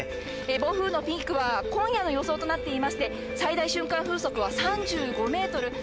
暴風雨のピークは今夜の予想となっていまして最大瞬間風速は３５メートル